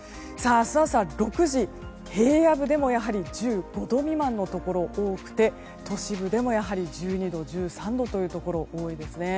明日朝６時、平野部でもやはり１５度未満のところ多くて都市部でもやはり１２度、１３度というところが多いですね。